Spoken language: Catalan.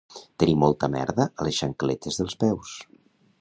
Tenir molta merda a les xancletes dels peus.